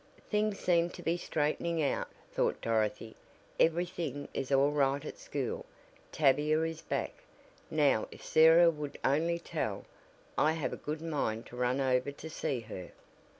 "Things seem to be straightening out," thought Dorothy. "Every thing is all right at school, Tavia is back, now if Sarah would only tell I have a good mind to run over to see her."